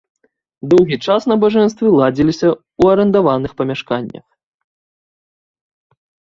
Доўгі час набажэнствы ладзіліся ў арандаваных памяшканнях.